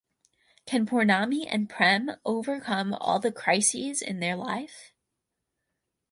Can Pournami and Prem over come all the crises in their life?